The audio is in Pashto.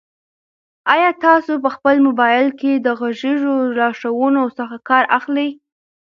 آیا تاسو په خپل موبایل کې د غږیزو لارښوونو څخه کار اخلئ؟